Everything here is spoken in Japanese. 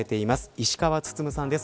石川温さんです。